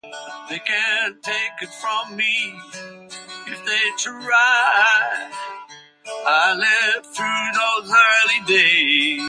Walker had scared his neighbors with talk of further military conquests in Central America.